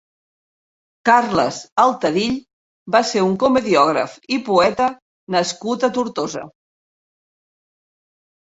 Carles Altadill va ser un comediògraf i poeta nascut a Tortosa.